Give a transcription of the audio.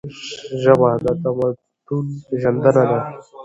ژبه د تمدن پیژندنه ده.